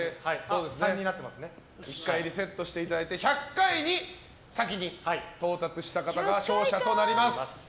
１回リセットしていただいて１００回に先に到達した方が勝者となります。